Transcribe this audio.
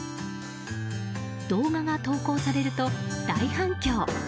動画が投稿されると、大反響。